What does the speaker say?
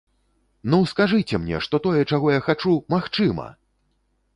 Ну скажыце мне, што тое, чаго я хачу, магчыма!